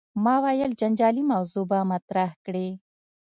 ما ویل جنجالي موضوع به مطرح کړې.